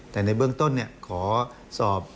แต่ในเบื้องต้นขอสอบ